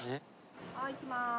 はいいきまーす。